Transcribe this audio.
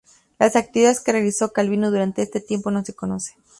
Las actividades que realizó Calvino durante este tiempo, no se conocen.